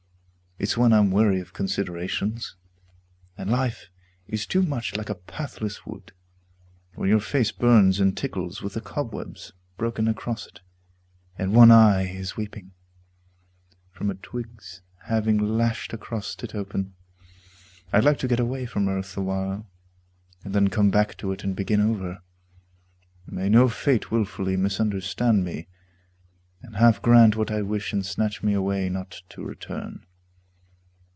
It's when I'm weary of considerations, And life is too much like a pathless wood Where your face burns and tickles with the cobwebs Broken across it, and one eye is weeping From a twig's having lashed across it open. I'd like to get away from earth awhile And then come back to it and begin over. May no fate willfully misunderstand me And half grant what I wish and snatch me away Not to return.